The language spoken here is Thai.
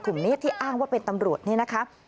กลุ่มผู้ชายกลุ่มนี้ที่อ้างว่าเป็นตำรวจนี่นะครับ